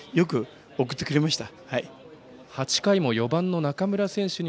よく送ってくれました。